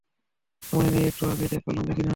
মনে নেই একটু আগে চেক করলাম, দেখি নেই।